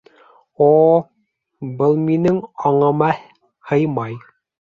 О, был минең аңыма һыймай.